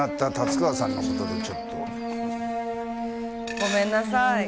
ごめんなさい。